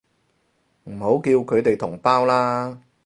唔好叫佢哋同胞啦